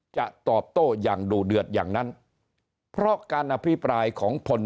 จะตอบโต้อย่างดูเดือดอย่างนั้นเพราะการอภิปรายของพล